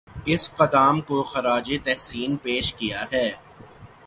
اس قدام کو خراج تحسین پیش کیا ہے